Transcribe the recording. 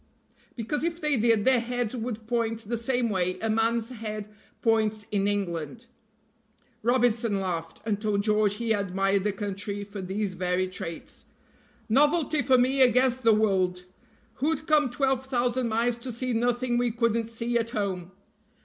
"Because if they did their heads would point the same way a man's head points in England." Robinson laughed, and told George he admired the country for these very traits. "Novelty for me against the world. Who'd come twelve thousand miles to see nothing we couldn't see at home?